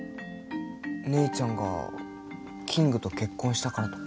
姉ちゃんがキングと結婚したからとか？